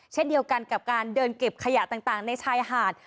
เช่นเดียวกันกับการเดินเก็บขยะต่างในชายหาด